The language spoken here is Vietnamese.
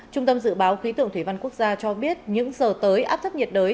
trung tâm dự báo khí tượng thủy văn quốc gia cho biết những giờ tới áp thấp nhiệt đới